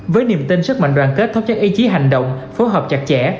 với niềm tin sức mạnh đoàn kết thấp chắc ý chí hành động phối hợp chặt chẽ